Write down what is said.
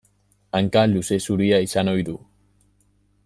Hanka luze zuria izan ohi du.